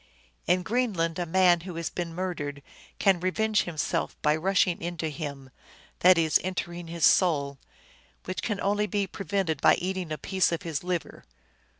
" In Greenland a man who has been murdered can revenge himself by rushing into him," that is, entering his soul, " which can only be prevented by eating a piece of his liver."